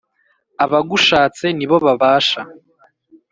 Abagushatse ni bo babasha